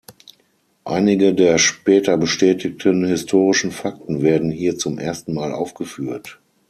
Einige der später bestätigten historischen Fakten werden hier zum ersten Mal aufgeführt.